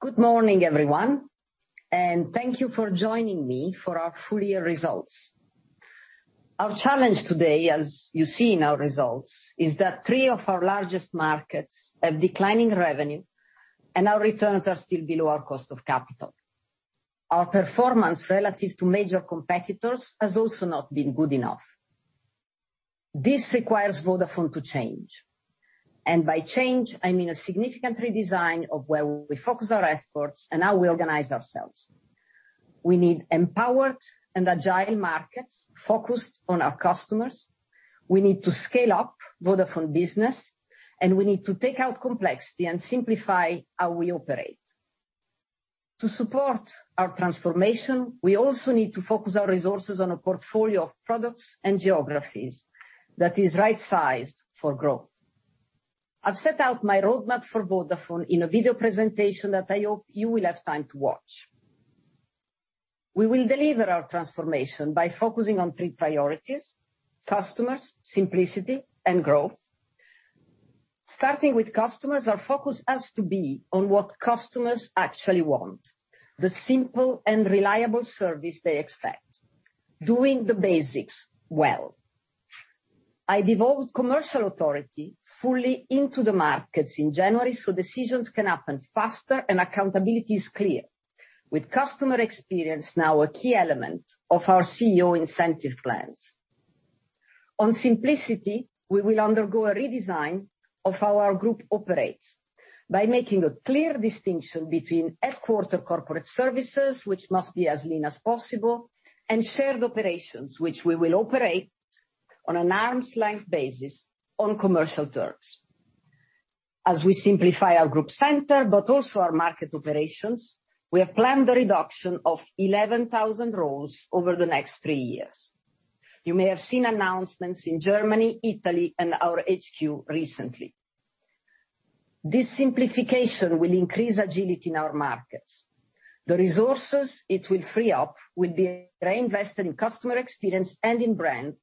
Good morning, everyone. Thank you for joining me for our full year results. Our challenge today, as you see in our results, is that three of our largest markets have declining revenue and our returns are still below our cost of capital. Our performance relative to major competitors has also not been good enough. This requires Vodafone to change, and by change I mean a significant redesign of where we focus our efforts and how we organize ourselves. We need empowered and agile markets focused on our customers. We need to scale up Vodafone Business, and we need to take out complexity and simplify how we operate. To support our transformation, we also need to focus our resources on a portfolio of products and geographies that is right-sized for growth. I've set out my roadmap for Vodafone in a video presentation that I hope you will have time to watch. We will deliver our transformation by focusing on three priorities: customers, simplicity, and growth. Starting with customers, our focus has to be on what customers actually want, the simple and reliable service they expect. Doing the basics well. I devolved commercial authority fully into the markets in January so decisions can happen faster and accountability is clear. With customer experience now a key element of our CEO incentive plans. On simplicity, we will undergo a redesign of how our group operates by making a clear distinction between headquarter corporate services, which must be as lean as possible, and shared operations, which we will operate on an arm's-length basis on commercial terms. As we simplify our group center, but also our market operations, we have planned a reduction of 11,000 roles over the next three years. You may have seen announcements in Germany, Italy and our HQ recently. This simplification will increase agility in our markets. The resources it will free up will be reinvested in customer experience and in brand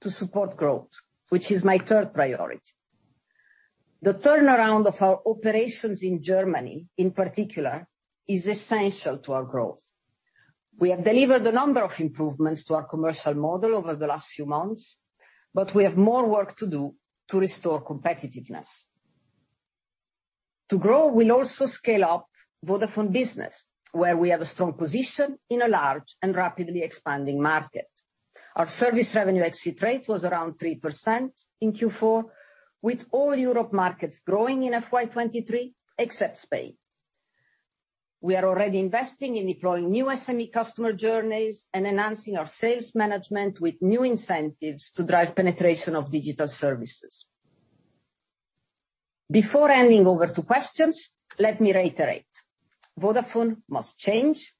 to support growth, which is my third priority. The turnaround of our operations in Germany, in particular, is essential to our growth. We have delivered a number of improvements to our commercial model over the last few months, but we have more work to do to restore competitiveness. To grow, we'll also scale up Vodafone Business, where we have a strong position in a large and rapidly expanding market. Our service revenue exit rate was around 3% in Q4, with all Europe markets growing in FY 2023 except Spain. We are already investing in deploying new SME customer journeys and enhancing our sales management with new incentives to drive penetration of digital services. Before handing over to questions, let me reiterate. Vodafone must change,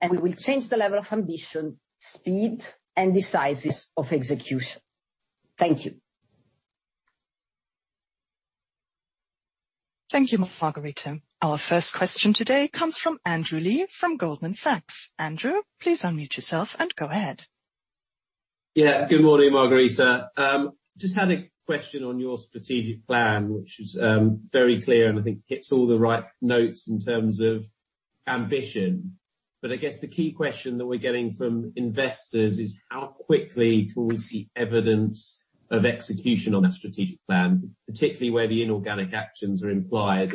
and we will change the level of ambition, speed, and the sizes of execution. Thank you. Thank you, Margherita. Our first question today comes from Andrew Lee from Goldman Sachs. Andrew, please unmute yourself and go ahead. Yeah. Good morning, Margherita. Just had a question on your strategic plan, which is very clear, and I think hits all the right notes in terms of ambition. I guess the key question that we're getting from investors is how quickly can we see evidence of execution on that strategic plan, particularly where the inorganic actions are implied?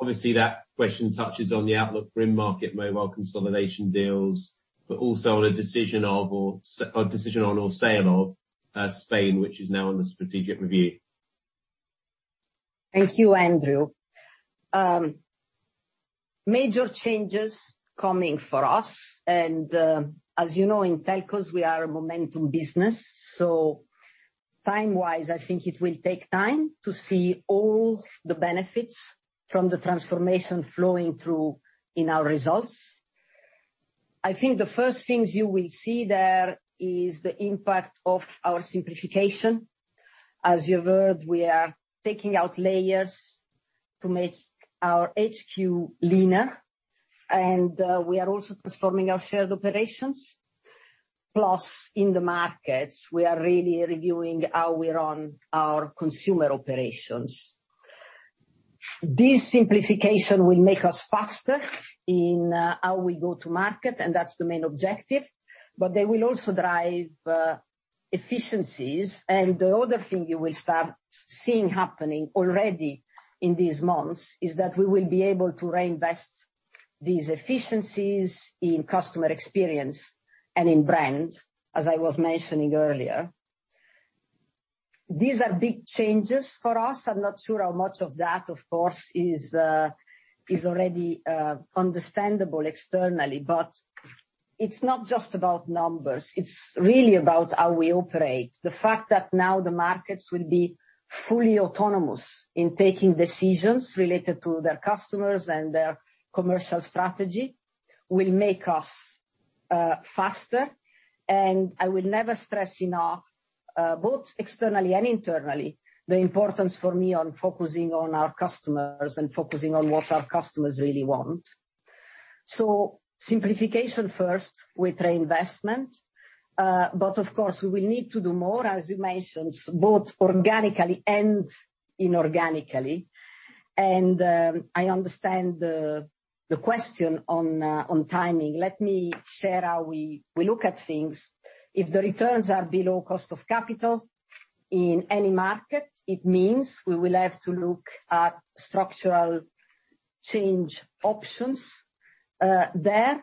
Obviously, that question touches on the outlook for in-market mobile consolidation deals, but also on a decision on or sale of Spain, which is now on the strategic review. Thank you, Andrew. Major changes coming for us and, as you know, in telcos, we are a momentum business. Time-wise, I think it will take time to see all the benefits from the transformation flowing through in our results. I think the first things you will see there is the impact of our simplification. As you heard, we are taking out layers to make our HQ leaner, and we are also transforming our shared operations. In the markets, we are really reviewing how we run our consumer operations. This simplification will make us faster in how we go to market, and that's the main objective. They will also drive efficiencies. The other thing you will start seeing happening already in these months is that we will be able to reinvest these efficiencies in customer experience and in brand, as I was mentioning earlier. These are big changes for us. I'm not sure how much of that, of course, is already understandable externally. It's not just about numbers. It's really about how we operate. The fact that now the markets will be fully autonomous in taking decisions related to their customers and their commercial strategy will make us faster. I will never stress enough, both externally and internally, the importance for me on focusing on our customers and focusing on what our customers really want. Simplification first with reinvestment. Of course, we will need to do more, as you mentioned, both organically and inorganically. I understand the question on timing. Let me share how we look at things. If the returns are below cost of capital in any market, it means we will have to look at structural change options there.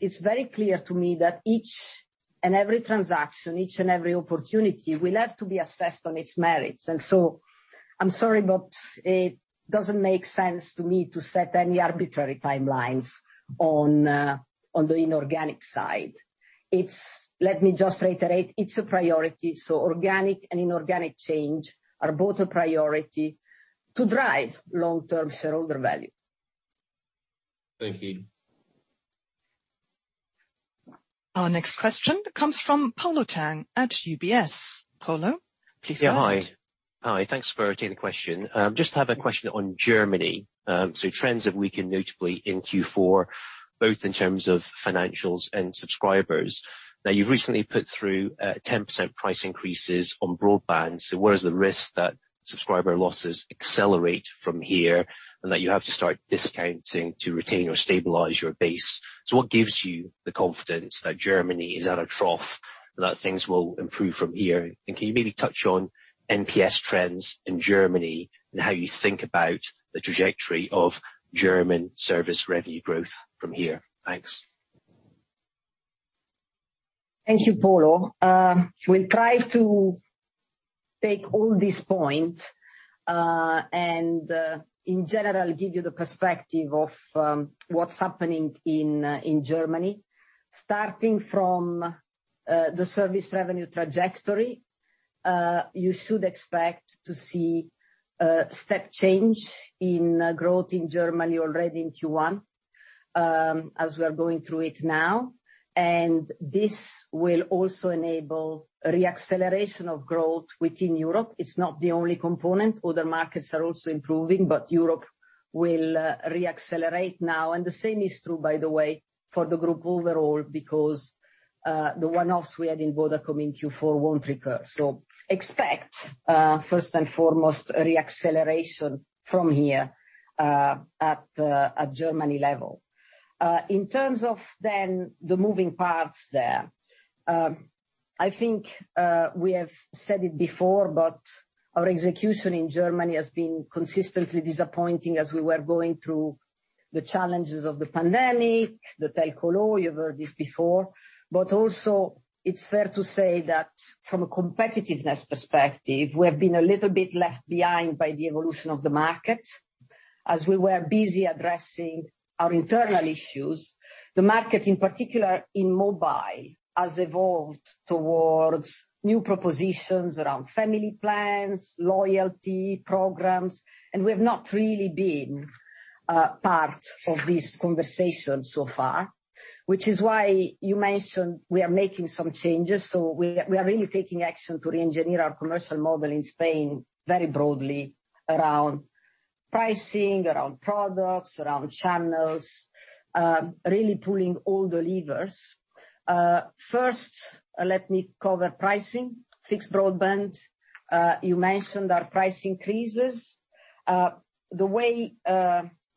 It's very clear to me that each and every transaction, each and every opportunity will have to be assessed on its merits. I'm sorry, but it doesn't make sense to me to set any arbitrary timelines on the inorganic side. Let me just reiterate, it's a priority. Organic and inorganic change are both a priority to drive long-term shareholder value. Thank you. Our next question comes from Polo Tang at UBS. Polo, please go ahead. Hi. Thanks for taking the question. Just have a question on Germany. Trends have weakened notably in Q4, both in terms of financials and subscribers. Now, you've recently put through 10% price increases on broadband, where is the risk that subscriber losses accelerate from here and that you have to start discounting to retain or stabilize your base? What gives you the confidence that Germany is at a trough and that things will improve from here? Can you maybe touch on NPS trends in Germany and how you think about the trajectory of German service revenue growth from here? Thanks. Thank you, Polo. We'll try to take all these point and in general, give you the perspective of what's happening in Germany. Starting from the service revenue trajectory, you should expect to see a step change in growth in Germany already in Q1 as we are going through it now. This will also enable re-acceleration of growth within Europe. It's not the only component. Other markets are also improving, but Europe will re-accelerate now. The same is true, by the way, for the group overall because the one-offs we had in Vodafone Q4 won't recur. Expect first and foremost, re-acceleration from here at Germany level. In terms of then the moving parts there, I think, we have said it before, but our execution in Germany has been consistently disappointing as we were going through the challenges of the pandemic, the telco law. You've heard this before. Also it's fair to say that from a competitiveness perspective, we have been a little bit left behind by the evolution of the market. As we were busy addressing our internal issues, the market, in particular in mobile, has evolved towards new propositions around family plans, loyalty programs, and we have not really been, part of this conversation so far, which is why you mentioned we are making some changes. We are really taking action to reengineer our commercial model in Spain very broadly around pricing, around products, around channels, really pulling all the levers. First, let me cover pricing. Fixed broadband, you mentioned our price increases. The way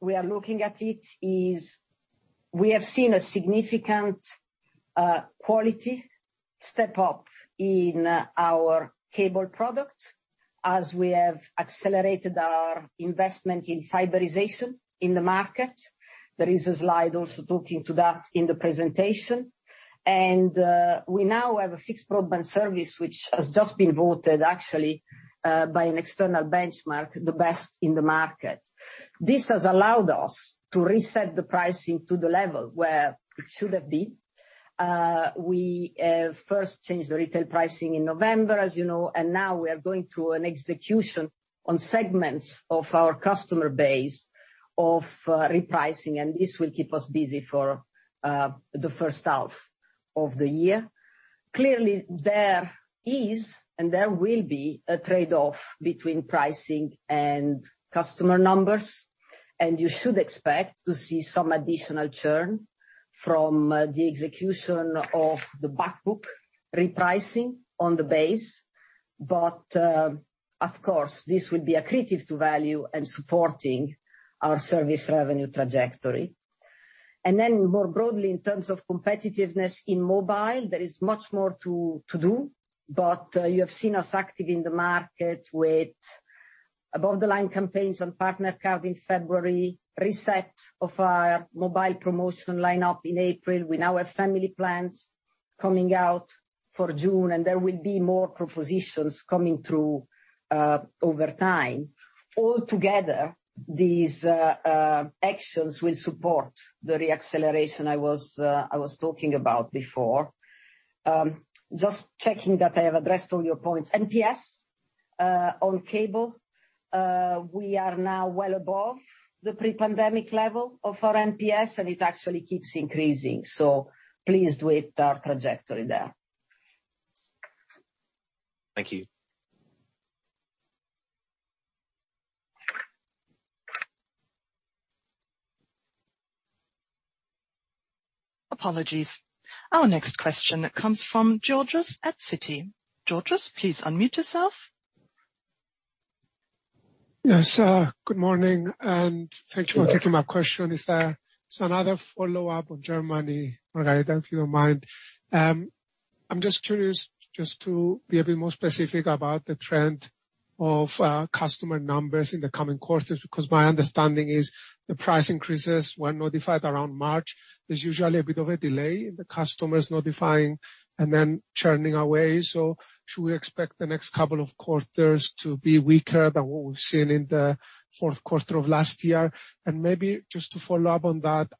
we are looking at it is we have seen a significant quality step up in our cable product as we have accelerated our investment in fiberization in the market. There is a slide also talking to that in the presentation. We now have a fixed broadband service which has just been voted, actually, by an external benchmark, the best in the market. This has allowed us to reset the pricing to the level where it should have been. We first changed the retail pricing in November, as you know, and now we are going through an execution on segments of our customer base of repricing, and this will keep us busy for the first half of the year. Clearly, there is and there will be a trade-off between pricing and customer numbers, and you should expect to see some additional churn from the execution of the back book repricing on the base. Of course, this will be accretive to value and supporting our service revenue trajectory. More broadly, in terms of competitiveness in mobile, there is much more to do. You have seen us active in the market with above-the-line campaigns on FamilyCard in February, reset of our mobile promotion line-up in April. We now have family plans coming out for June, and there will be more propositions coming through over time. All together, these actions will support the re-acceleration I was talking about before. Just checking that I have addressed all your points. NPS on cable, we are now well above the pre-pandemic level of our NPS, and it actually keeps increasing. Pleased with our trajectory there. Thank you. Apologies. Our next question comes from Georgios at Citi. Georgios, please unmute yourself. Good morning, and thank you for taking my question. It's another follow-up on Germany, Margherita, if you don't mind. I'm just curious, just to be a bit more specific about the trend of customer numbers in the coming quarters, because my understanding is the price increases were notified around March. There's usually a bit of a delay in the customers notifying and then churning away. Should we expect the next couple of quarters to be weaker than what we've seen in the fourth quarter of last year? Maybe just to follow up on that,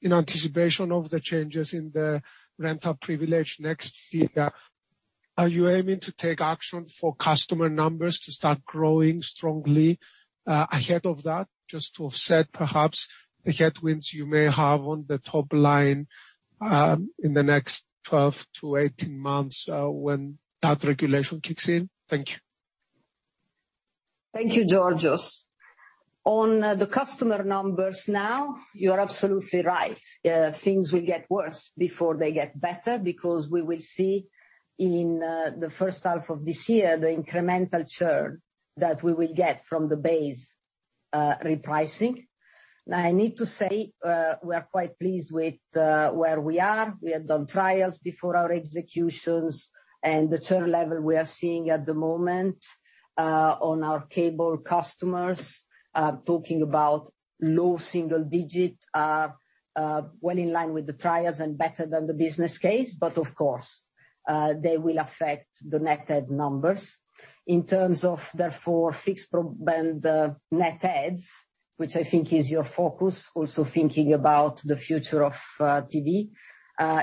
in anticipation of the changes in the rental privilege next year, are you aiming to take action for customer numbers to start growing strongly, ahead of that, just to offset perhaps the headwinds you may have on the top line, in the next 12 to 18 months, when that regulation kicks in? Thank you. Thank you, Georgios. On the customer numbers now, you are absolutely right. Things will get worse before they get better because we will see in the 1st half of this year the incremental churn that we will get from the base repricing. I need to say, we are quite pleased with where we are. We have done trials before our executions and the churn level we are seeing at the moment, on our cable customers, talking about low single-digit, well in line with the trials and better than the business case. Of course, they will affect the net add numbers. In terms of therefore fixed band, net adds, which I think is your focus, also thinking about the future of TV,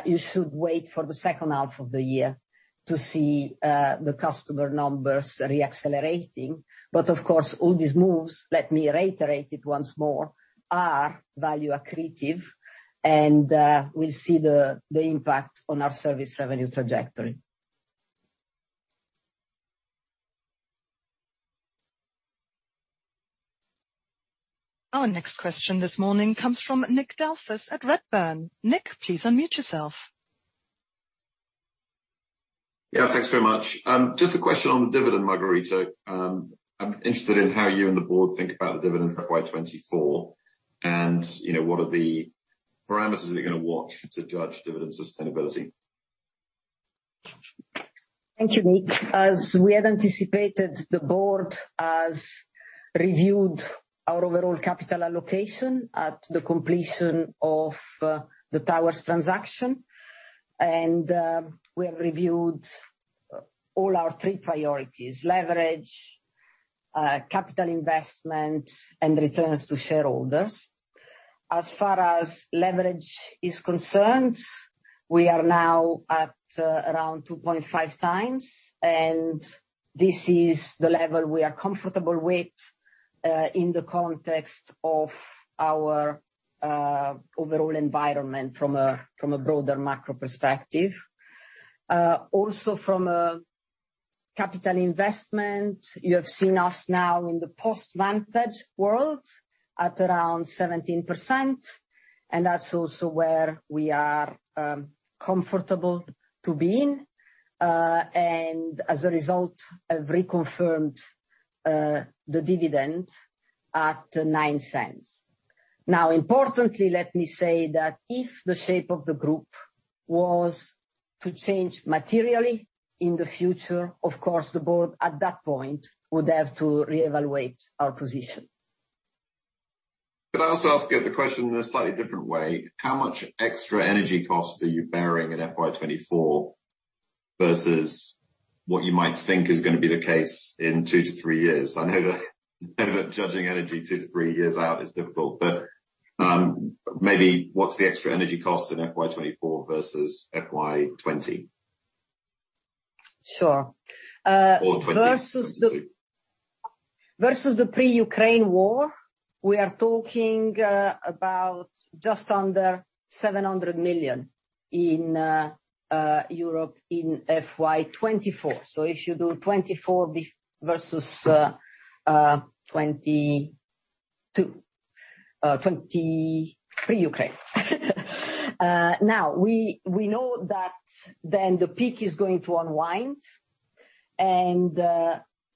you should wait for the second half of the year to see the customer numbers re-accelerating. Of course, all these moves, let me reiterate it once more, are value accretive and will see the impact on our service revenue trajectory. Our next question this morning comes from Nick Delfas at Redburn. Nick, please unmute yourself. Thanks very much. Just a question on the dividend, Margherita. I'm interested in how you and the board think about the dividend for FY 2024 and, you know, what are the parameters that you're gonna watch to judge dividend sustainability? Thank you, Nick. As we had anticipated, the board has reviewed our overall capital allocation at the completion of the Towers transaction, and we have reviewed all our three priorities: leverage, capital investment, and returns to shareholders. As far as leverage is concerned, we are now at around 2.5x, and this is the level we are comfortable with in the context of our overall environment from a broader macro perspective. Also from a capital investment, you have seen us now in the post-Vantage world at around 17%, and that's also where we are comfortable to be in. As a result, I've reconfirmed the dividend at 0.09. Importantly, let me say that if the shape of the group was to change materially in the future, of course the board at that point would have to reevaluate our position. Could I also ask the question in a slightly different way? How much extra energy costs are you bearing in FY 2024 versus what you might think is gonna be the case in two to three years? I know that judging energy two to three years out is difficult, but maybe what's the extra energy cost in FY 2024 versus FY 2020? Sure. 2022. Versus the pre-Ukraine war, we are talking about just under 700 million in Europe in FY 2024. If you do 2024 versus 2022. 2020 pre-Ukraine. Now, we know that then the peak is going to unwind and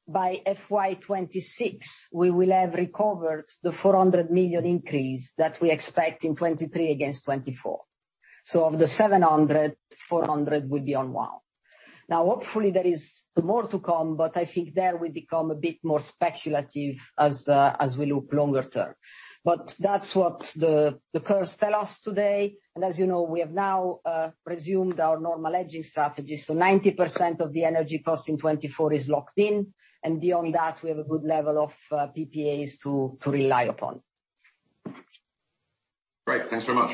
by FY 2026 we will have recovered the 400 million increase that we expect in 2023 against 2024. Of the 700, 400 will be unwound. Now, hopefully there is more to come, but I think there we become a bit more speculative as we look longer term. That's what the curves tell us today. As you know, we have now resumed our normal hedging strategy, so 90% of the energy cost in 2024 is locked in. Beyond that, we have a good level of PPAs to rely upon. Great. Thanks very much.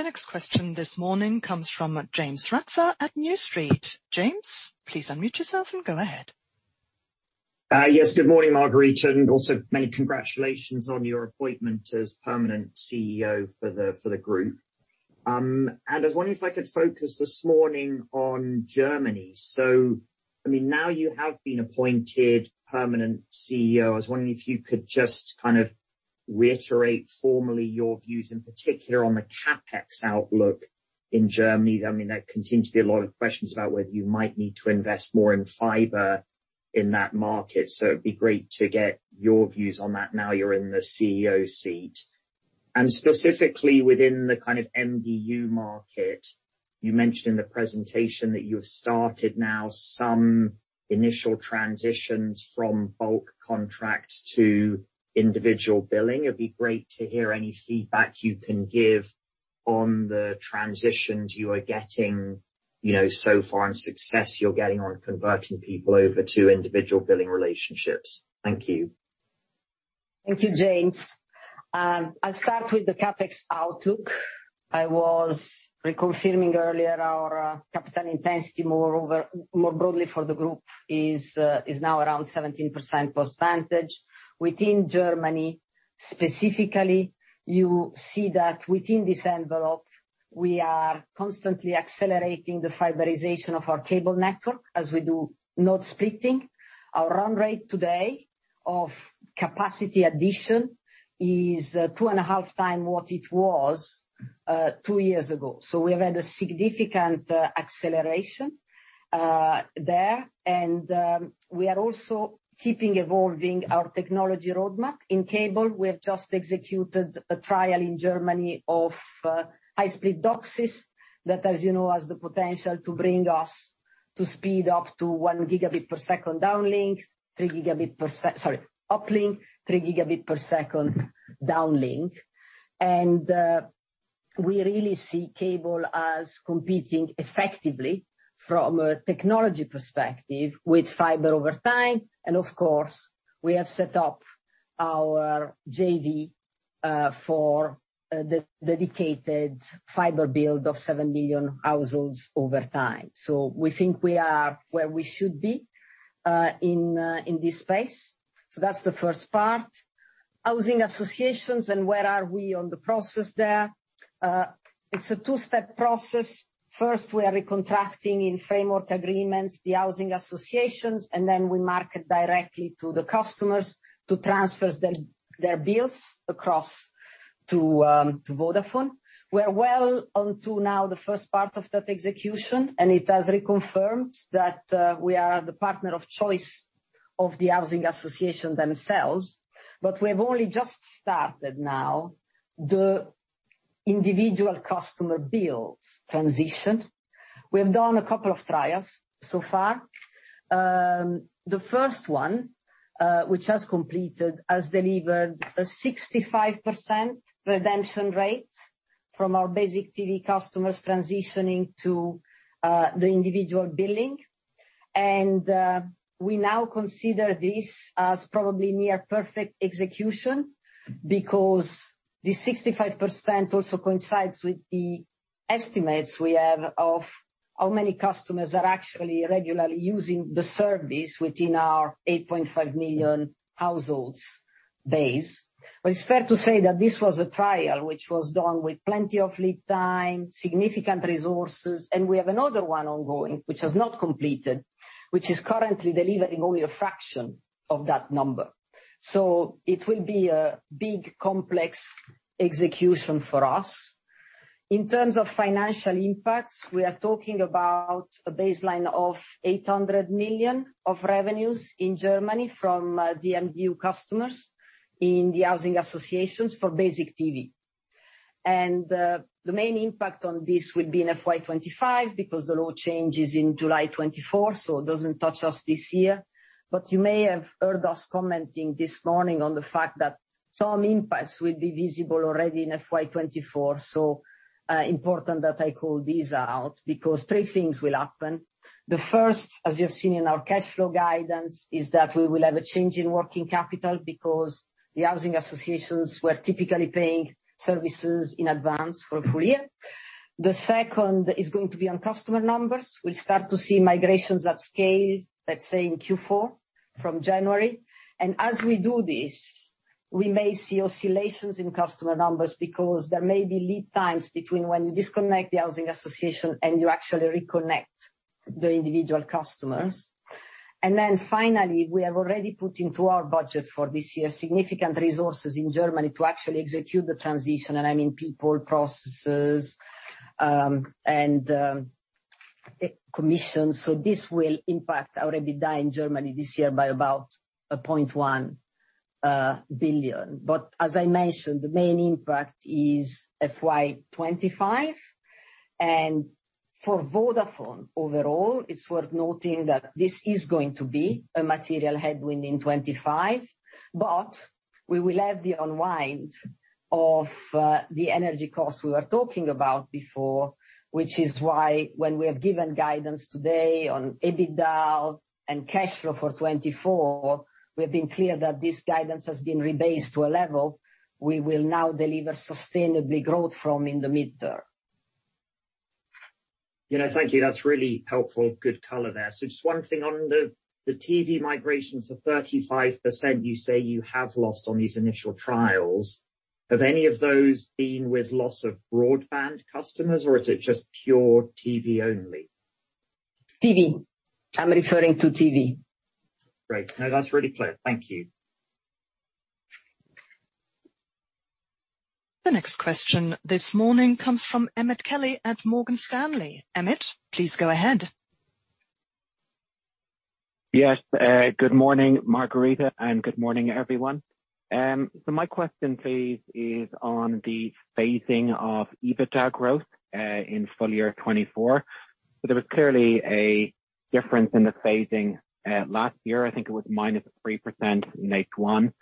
The next question this morning comes from James Ratzer at New Street. James, please unmute yourself and go ahead. Yes. Good morning, Margherita, and also many congratulations on your appointment as permanent CEO for the, for the group. I was wondering if I could focus this morning on Germany. I mean, now you have been appointed permanent CEO, I was wondering if you could just kind of reiterate formally your views in particular on the CapEx outlook in Germany. I mean, there continue to be a lot of questions about whether you might need to invest more in fiber in that market, so it'd be great to get your views on that now you're in the CEO seat. Specifically within the kind of MDU market, you mentioned in the presentation that you have started now some initial transitions from bulk contracts to individual billing. It'd be great to hear any feedback you can give on the transitions you are getting, you know, so far and success you're getting on converting people over to individual billing relationships. Thank you. Thank you, James. I'll start with the CapEx outlook. I was reconfirming earlier our capital intensity more broadly for the group is now around 17% post Vantage. Within Germany, specifically, you see that within this envelope we are constantly accelerating the fiberization of our cable network as we do node splitting. Our run rate today of capacity addition is two point five time what it was two years ago. We have had a significant acceleration there. We are also keeping evolving our technology roadmap. In cable, we have just executed a trial in Germany of high-split DOCSIS that, as you know, has the potential to bring us to speed up to 1 Gb per second downlink, 3 Gb sorry, uplink, 3 Gb per second downlink. We really see cable as competing effectively from a technology perspective with fiber over time. Of course, we have set up our JV for a de-dedicated fiber build of seven million households over time. We think we are where we should be in this space. That's the first part. Housing associations and where are we on the process there? It's a two-step process. First, we are recontracting in framework agreements the housing associations, and then we market directly to the customers to transfer their bills across to Vodafone. We're well on to now the first part of that execution, and it has reconfirmed that we are the partner of choice of the housing association themselves. We have only just started now the individual customer bills transition. We have done a couple of trials so far. The first one, which has completed, has delivered a 65% redemption rate from our basic TV customers transitioning to the individual billing. We now consider this as probably near perfect execution because the 65% also coincides with the estimates we have of how many customers are actually regularly using the service within our eight point five million households base. It's fair to say that this was a trial which was done with plenty of lead time, significant resources. We have another one ongoing, which has not completed, which is currently delivering only a fraction of that number. It will be a big complex execution for us. In terms of financial impact, we are talking about a baseline of 800 million of revenues in Germany from the MDU customers in the housing associations for basic TV. The main impact on this will be in FY 2025 because the law changes in July 2024, so it doesn't touch us this year. You may have heard us commenting this morning on the fact that some impacts will be visible already in FY 2024. Important that I call these out because three things will happen. The first, as you have seen in our cash flow guidance, is that we will have a change in working capital because the housing associations were typically paying services in advance for a full year. The second is going to be on customer numbers. We'll start to see migrations at scale, let's say in Q4 from January. As we do this, we may see oscillations in customer numbers because there may be lead times between when you disconnect the housing association and you actually reconnect the individual customers. Finally, we have already put into our budget for this year significant resources in Germany to actually execute the transition. I mean, people, processes, and commissions. This will impact our EBITDA in Germany this year by about 0.1 billion. As I mentioned, the main impact is FY 2025. For Vodafone overall, it's worth noting that this is going to be a material headwind in 2025, but we will have the unwind of the energy costs we were talking about before, which is why when we have given guidance today on EBITDA and cash flow for 2024, we've been clear that this guidance has been rebased to a level we will now deliver sustainably growth from in the mid-term. You know, thank you. That's really helpful. Good color there. Just one thing on the TV migration to 35% you say you have lost on these initial trials. Have any of those been with loss of broadband customers or is it just pure TV only? TV. I'm referring to TV. Great. No, that's really clear. Thank you. The next question this morning comes from Emmet Kelly at Morgan Stanley. Emmet, please go ahead. Yes. Good morning, Margherita, and good morning, everyone. My question please is on the phasing of EBITDA growth in full year 2024. There was clearly a difference in the phasing last year. I think it was minus 3% in H one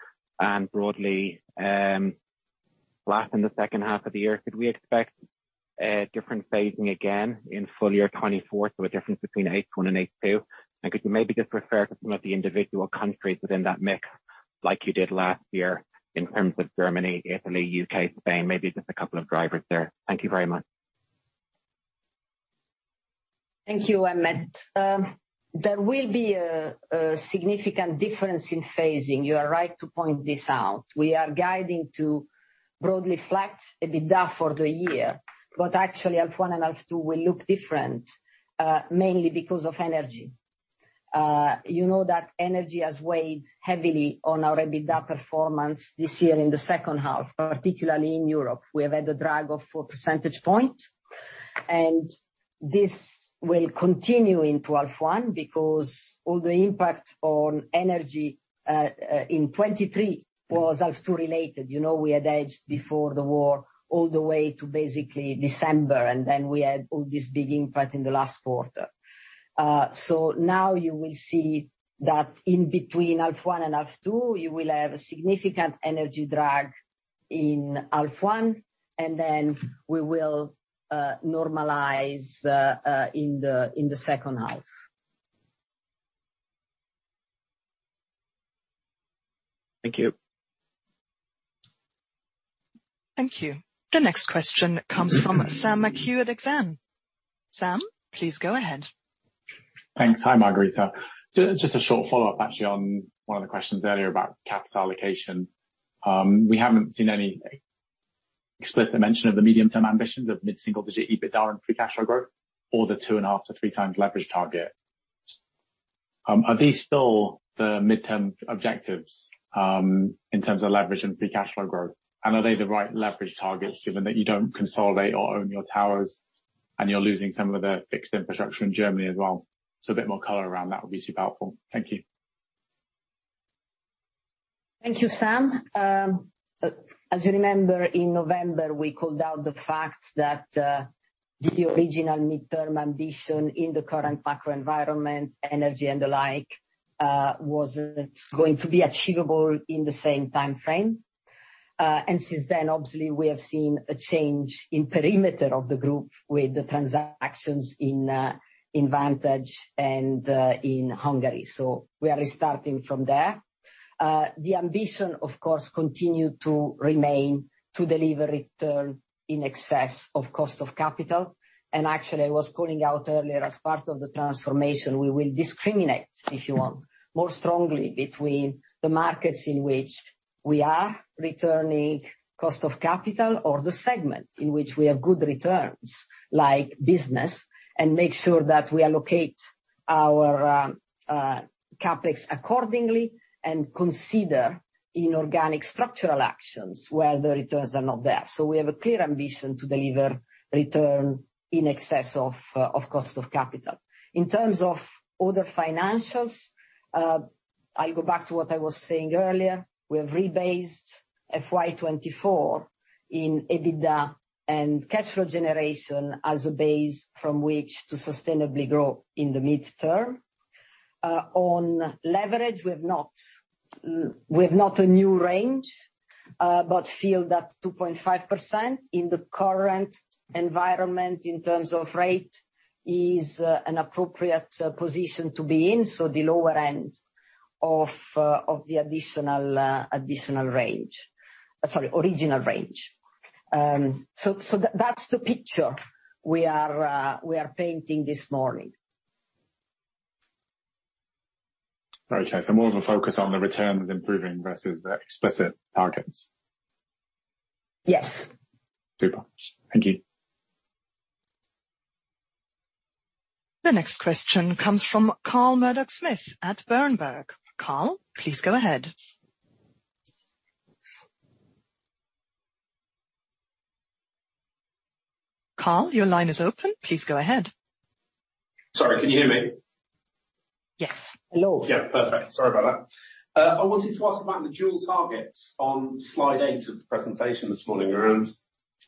and broadly flat in the second half of the year. Could we expect a different phasing again in full year 2024? A difference between H one and H two? Could you maybe just refer to some of the individual countries within that mix like you did last year in terms of Germany, Italy, U.K., Spain? Maybe just a couple of drivers there. Thank you very much. Thank you, Emmet. There will be a significant difference in phasing. You are right to point this out. We are guiding to broadly flat EBITDA for the year, but actually H1 and H2 will look different, mainly because of energy. You know that energy has weighed heavily on our EBITDA performance this year in the second half, particularly in Europe. We have had a drag of four percentage point, and this will continue into H1 because all the impact on energy in 2023 was H two related. You know, we had edged before the war all the way to basically December, and then we had all this big impact in the last quarter. Now you will see that in between H1 and H2, you will have a significant energy drag in H1, and then we will normalize in the second half. Thank you. Thank you. The next question comes from Sam McHugh at Exane. Sam, please go ahead. Thanks. Hi, Margherita. just a short follow-up actually on one of the questions earlier about capital allocation. We haven't seen any explicit mention of the medium-term ambitions of mid-single digit EBITDA and free cash flow growth or the two 2.5-3 times leverage target. Are these still the midterm objectives, in terms of leverage and free cash flow growth? Are they the right leverage targets given that you don't consolidate or own your towers and you're losing some of the fixed infrastructure in Germany as well? A bit more color around that would be super helpful. Thank you. Thank you, Sam. As you remember, in November, we called out the fact that the original midterm ambition in the current macro environment, energy and the like, wasn't going to be achievable in the same timeframe. Since then, obviously we have seen a change in perimeter of the group with the transactions in Vantage and in Hungary. We are restarting from there. The ambition, of course, continue to remain to deliver return in excess of cost of capital. Actually, I was calling out earlier as part of the transformation, we will discriminate, if you want, more strongly between the markets in which we are returning cost of capital or the segment in which we have good returns, like Vodafone Business, and make sure that we allocate our CapEx accordingly and consider inorganic structural actions where the returns are not there. We have a clear ambition to deliver return in excess of cost of capital. In terms of other financials, I go back to what I was saying earlier. We have rebased FY 2024 in EBITDA and cash flow generation as a base from which to sustainably grow in the midterm. On leverage, we have not a new range, but feel that 2.5% in the current environment in terms of rate is an appropriate position to be in, so the lower end of the additional range. Sorry, original range. That's the picture we are painting this morning. More of a focus on the returns improving versus the explicit targets. Yes. Super. Thank you. The next question comes from Carl Murdock-Smith at Berenberg. Carl, please go ahead. Carl, your line is open. Please go ahead. Sorry, can you hear me? Yes. Hello. Yeah. Perfect. Sorry about that. I wanted to ask about the dual targets on slide eight of the presentation this morning around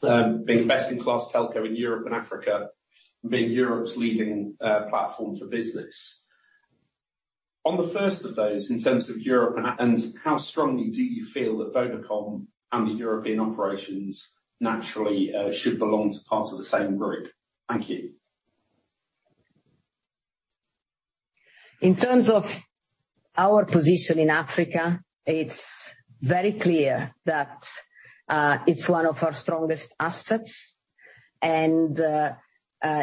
being best in class telco in Europe and Africa, being Europe's leading platform for business. On the first of those, in terms of Europe and how strongly do you feel that Vodafone and the European operations naturally should belong to part of the same group? Thank you. In terms of our position in Africa, it's very clear that it's one of our strongest assets and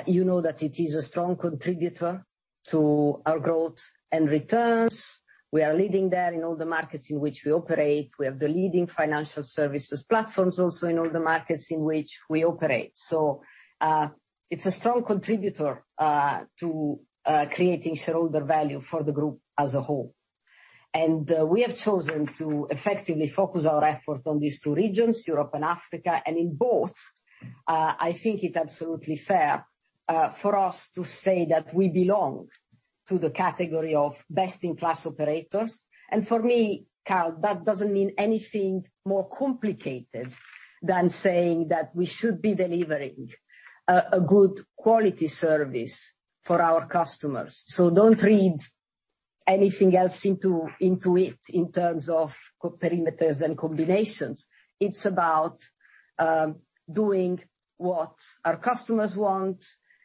you know that it is a strong contributor to our growth and returns. We are leading there in all the markets in which we operate. We have the leading financial services platforms also in all the markets in which we operate. It's a strong contributor to creating shareholder value for the group as a whole. We have chosen to effectively focus our effort on these two regions, Europe and Africa. In both, I think it absolutely fair for us to say that we belong to the category of best-in-class operators. For me, Carl, that doesn't mean anything more complicated than saying that we should be delivering a good quality service for our customers. Don't read anything else into it in terms of parameters and combinations. It's about doing what our customers want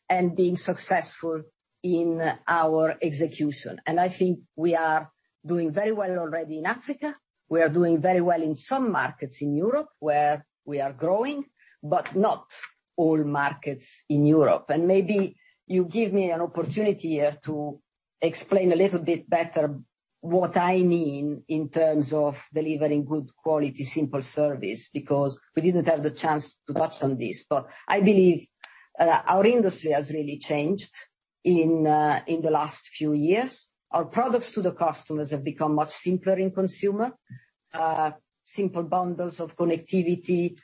and being successful in our execution. I think we are doing very well already in Africa. We are doing very well in some markets in Europe, where we are growing, but not all markets in Europe. Maybe you give me an opportunity here to explain a little bit better what I mean in terms of delivering good quality, simple service, because we didn't have the chance to touch on this. I believe our industry has really changed in the last few years. Our products to the customers have become much simpler in consumer. Simple bundles of connectivity,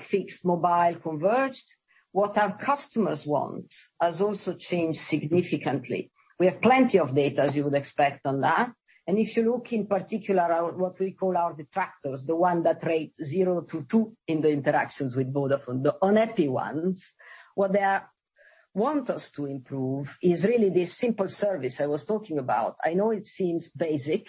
fixed mobile converged. What our customers want has also changed significantly. We have plenty of data as you would expect on that. If you look in particular our... what we call our detractors, the one that rate zero to two in the interactions with Vodafone, the unhappy ones, what they want us to improve is really this simple service I was talking about. I know it seems basic,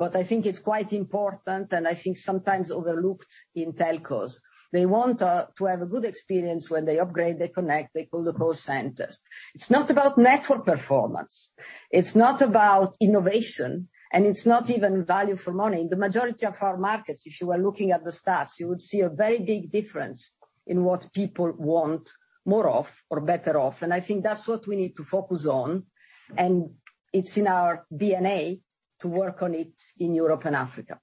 I think it's quite important and I think sometimes overlooked in telcos. They want to have a good experience when they upgrade, they connect, they call the call centers. It's not about network performance, it's not about innovation, and it's not even value for money. The majority of our markets, if you are looking at the stats, you would see a very big difference in what people want more of or better of. I think that's what we need to focus on, and it's in our DNA to work on it in Europe and Africa.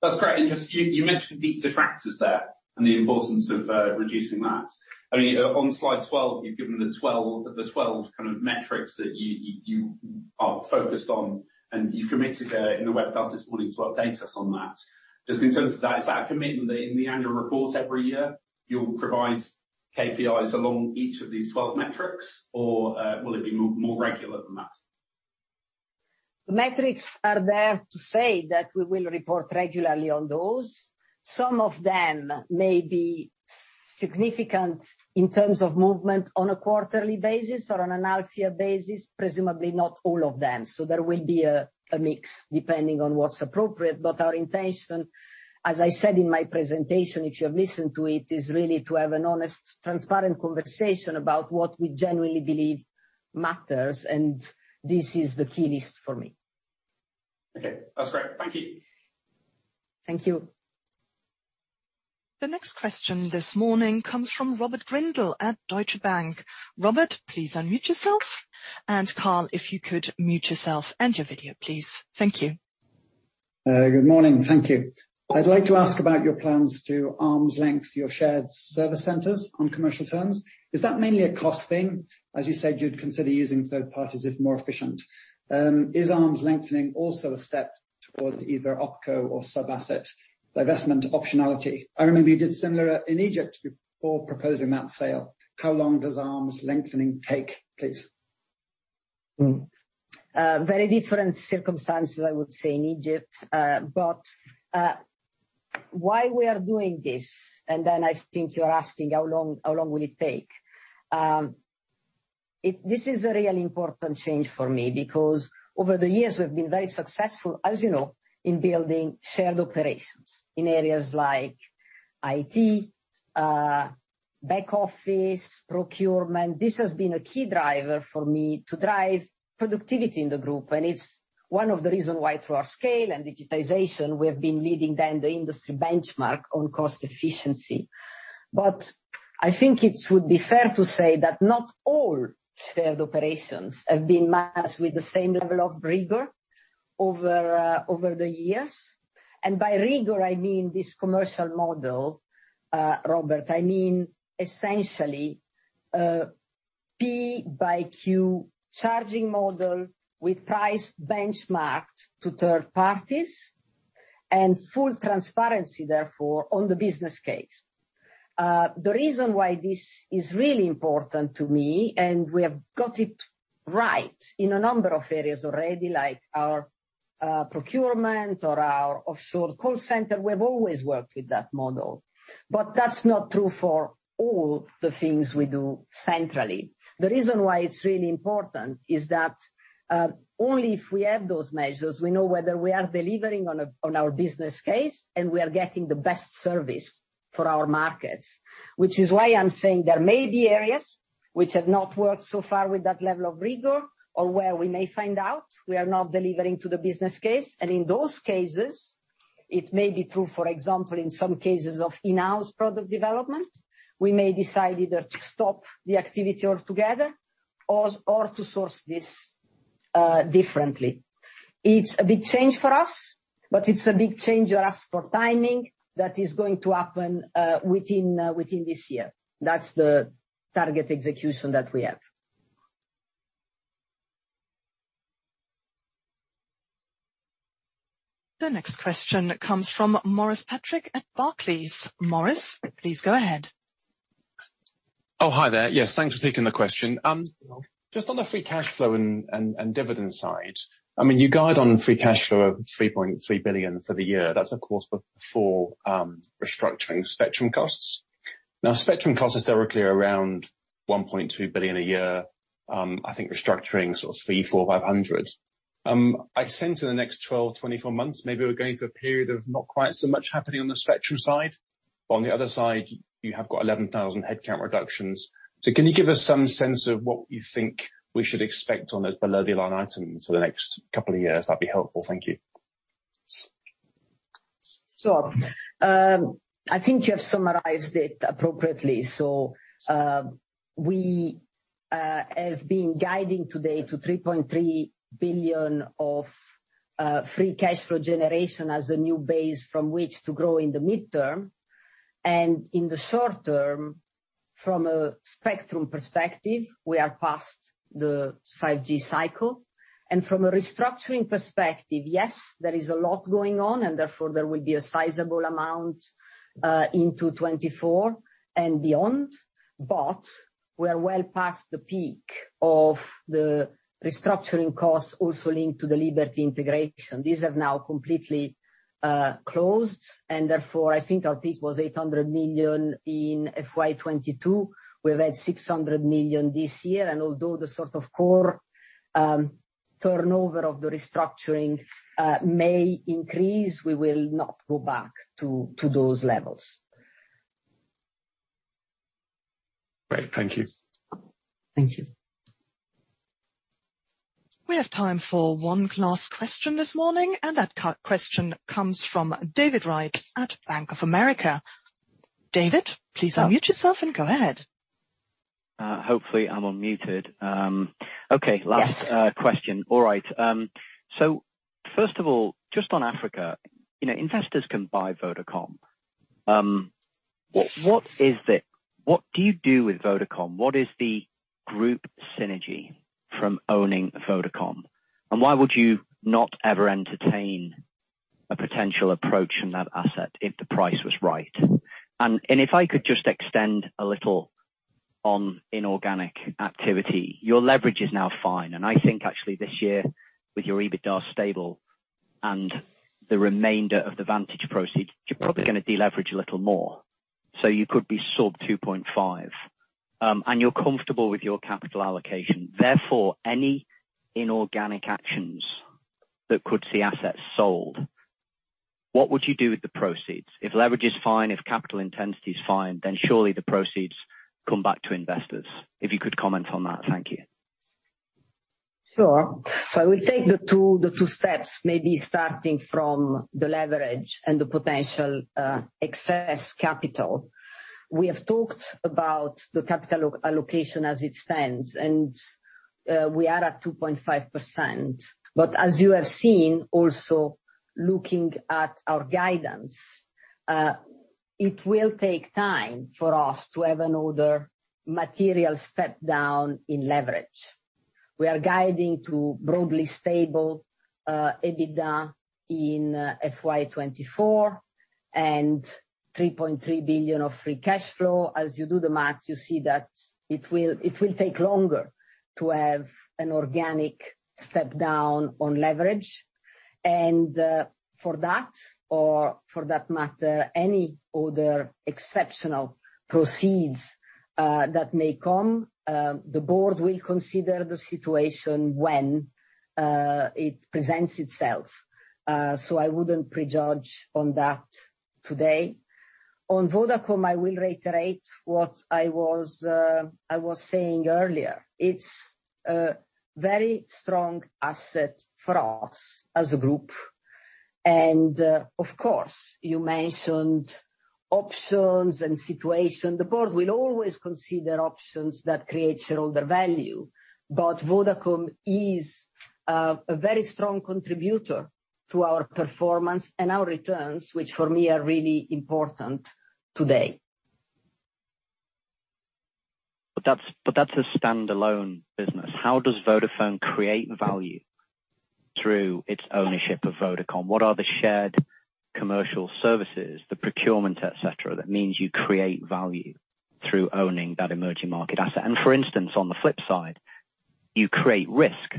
That's great. Just you mentioned the detractors there and the importance of reducing that. I mean, on slide 12, you've given the 12 kind of metrics that you are focused on, and you've committed there in the webcast this morning to update us on that. Just in terms of that, is that a commitment in the annual report every year, you'll provide KPIs along each of these 12 metrics or will it be more regular than that? The metrics are there to say that we will report regularly on those. Some of them may be significant in terms of movement on a quarterly basis or on an annual basis, presumably not all of them. There will be a mix depending on what's appropriate. Our intention, as I said in my presentation, if you have listened to it, is really to have an honest, transparent conversation about what we generally believe matters, and this is the key list for me. Okay. That's great. Thank you. Thank you. The next question this morning comes from Robert Grindle at Deutsche Bank. Robert, please unmute yourself. Carl, if you could mute yourself and your video, please. Thank you. Good morning. Thank you. I'd like to ask about your plans to arm's length, your shared service centers on commercial terms. Is that mainly a cost thing? As you said you'd consider using third parties if more efficient. Is arm's lengthening also a step towards either OpCo or sub-asset divestment optionality? I remember you did similar in Egypt before proposing that sale. How long does arm's lengthening take, please? Very different circumstances I would say in Egypt. Why we are doing this, and then I think you're asking how long will it take? This is a really important change for me because over the years we've been very successful, as you know, in building shared operations in areas like IT, back office, procurement. This has been a key driver for me to drive productivity in the group, and it's one of the reason why through our scale and digitization we have been leading than the industry benchmark on cost efficiency. I think it would be fair to say that not all shared operations have been managed with the same level of rigor over the years. By rigor, I mean this commercial model, Robert. I mean essentially, P x Q charging model with price benchmarked to third parties and full transparency therefore on the business case. The reason why this is really important to me, and we have got it right in a number of areas already, like our procurement or our offshore call center, we have always worked with that model. But that's not true for all the things we do centrally. The reason why it's really important is that only if we have those measures, we know whether we are delivering on our business case and we are getting the best service for our markets. Which is why I'm saying there may be areas which have not worked so far with that level of rigor or where we may find out we are not delivering to the business case. In those cases, it may be true, for example, in some cases of in-house product development, we may decide either to stop the activity altogether or to source this differently. It's a big change for us, but it's a big change for us for timing that is going to happen within this year. That's the target execution that we have. The next question comes from Maurice Patrick at Barclays. Maurice, please go ahead. Oh, hi there. Yes, thanks for taking the question. Just on the free cash flow and dividend side. I mean, you guide on free cash flow of 3.3 billion for the year. That's of course before restructuring spectrum costs. Spectrum costs is directly around 1.2 billion a year. I think restructuring sort of fee, 400-500. I'd say in the next 12-24 months, maybe we're going through a period of not quite so much happening on the spectrum side. On the other side, you have got 11,000 headcount reductions. Can you give us some sense of what you think we should expect on those below-the-line items for the next couple of years? That'd be helpful. Thank you. Sure. I think you have summarized it appropriately. We have been guiding today to 3.3 billion of free cash flow generation as a new base from which to grow in the midterm. In the short term, from a spectrum perspective, we are past the 5G cycle. From a restructuring perspective, yes, there is a lot going on, and therefore, there will be a sizable amount into 2024 and beyond, but we're well past the peak of the restructuring costs also linked to the Liberty integration. These have now completely closed, and therefore, I think our peak was 800 million in FY 2022. We've had 600 million this year. Although the sort of core turnover of the restructuring may increase, we will not go back to those levels. Great. Thank you. Thank you. We have time for one last question this morning. That question comes from David Wright at Bank of America. David, please unmute yourself and go ahead. Hopefully, I'm unmuted. Okay. Yes. Last question. All right. First of all, just on Africa, you know, investors can buy Vodacom. What, what is it? What do you do with Vodacom? What is the group synergy from owning Vodacom? Why would you not ever entertain a potential approach from that asset if the price was right? If I could just extend a little on inorganic activity. Your leverage is now fine. I think actually this year, with your EBITDA stable and the remainder of the Vantage proceeds, you're probably gonna deleverage a little more. You could be sub two point five. You're comfortable with your capital allocation. Therefore, any inorganic actions that could see assets sold, what would you do with the proceeds? If leverage is fine, if capital intensity is fine, surely the proceeds come back to investors. If you could comment on that. Thank you. Sure. I will take the two steps, maybe starting from the leverage and the potential excess capital. We have talked about the capital allocation as it stands. We are at 2.5%. As you have seen also looking at our guidance, it will take time for us to have another material step-down in leverage. We are guiding to broadly stable EBITDA in FY 2024 and 3.3 billion of free cash flow. As you do the math, you see that it will take longer to have an organic step-down on leverage. For that or for that matter, any other exceptional proceeds that may come, the board will consider the situation when it presents itself. I wouldn't prejudge on that today. On Vodacom, I will reiterate what I was saying earlier. It's a very strong asset for us as a group. Of course, you mentioned options and situation. The board will always consider options that create shareholder value, but Vodacom is a very strong contributor to our performance and our returns, which for me are really important today. That's a standalone business. How does Vodafone create value through its ownership of Vodacom? What are the shared commercial services, the procurement, et cetera, that means you create value through owning that emerging market asset? For instance, on the flip side, you create risk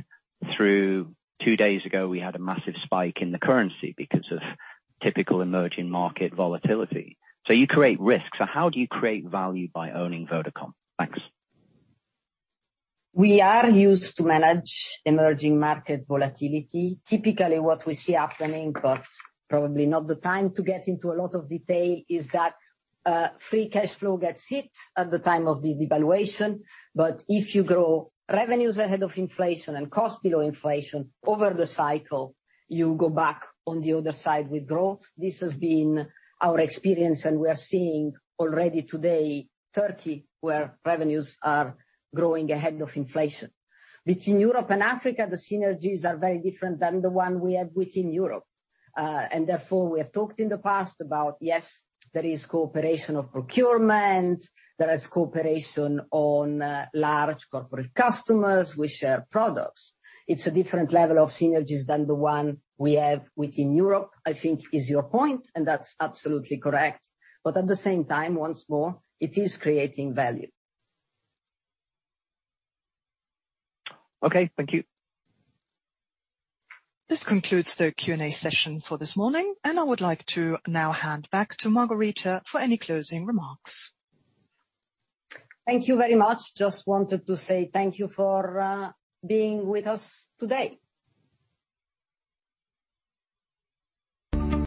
through. Two days ago, we had a massive spike in the currency because of typical emerging market volatility. You create risk. How do you create value by owning Vodacom? Thanks. We are used to manage emerging market volatility. Typically, what we see happening, but probably not the time to get into a lot of detail, is that free cash flow gets hit at the time of the devaluation. If you grow revenues ahead of inflation and cost below inflation over the cycle, you go back on the other side with growth. This has been our experience, and we are seeing already today Turkey, where revenues are growing ahead of inflation. Between Europe and Africa, the synergies are very different than the one we have within Europe. Therefore, we have talked in the past about, yes, there is cooperation of procurement, there is cooperation on large corporate customers. We share products. It's a different level of synergies than the one we have within Europe, I think is your point, and that's absolutely correct. At the same time, once more, it is creating value. Okay. Thank you. This concludes the Q&A session for this morning, and I would like to now hand back to Margherita for any closing remarks. Thank you very much. Just wanted to say thank you for being with us today.